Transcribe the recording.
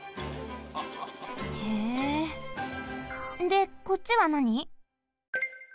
でこっちはなに？